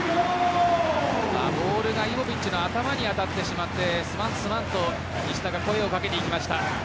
ボールが、イボビッチの頭に当たってしまってすまんと西田が声をかけていきました。